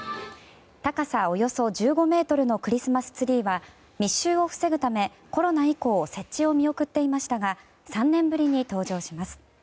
高さおよそ１５ｍのクリスマスツリーは密集を防ぐためコロナ以降、設置を見送っていましたが３年ぶりに登場します。